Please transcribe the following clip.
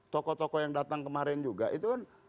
toko toko yang datang kemarin juga itu kan